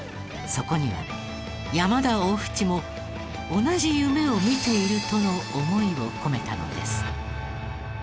そこには山田大渕も同じ夢を見ているとの思いを込めたのです。